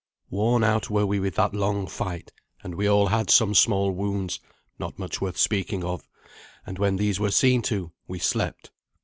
Worn out we were with that long fight, and we all had some small wounds not much worth speaking of; and when these were seen to, we slept.